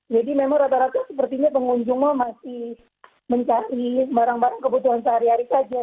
jadi memang rata rata sepertinya pengunjungnya masih mencari barang barang kebutuhan sehari hari saja